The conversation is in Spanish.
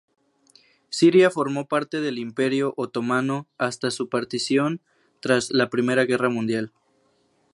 Siria formó parte del Imperio Otomano hasta su partición tras la I Guerra Mundial.